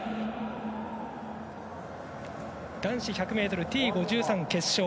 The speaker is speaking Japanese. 男子１００ｍＴ５３決勝。